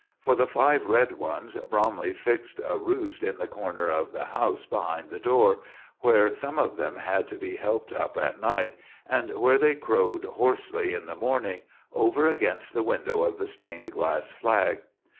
For the five red ones Bromley fixed a roost in the corner of the house behind the door, where some of them had to be helped up at night, and where they crowed hoarsely in the morning, over against the window of the stained glass flag.